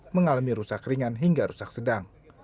mengalami rusak ringan hingga rusak sedang